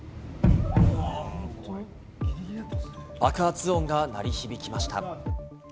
爆発音が鳴り響きました。